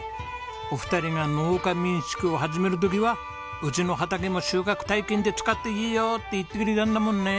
お二人が農家民宿を始める時はうちの畑も収穫体験で使っていいよって言ってくれたんだもんね。